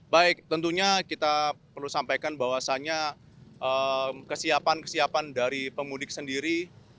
baik tentunya kita perlu sampaikan bahwasannya kesiapan kesiapan dari pemudik sendiri